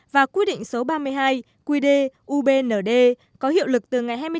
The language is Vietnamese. và quyết định số ba mươi hai qd ubnd có hiệu lực từ ngày hai mươi một tháng năm năm hai nghìn một mươi sáu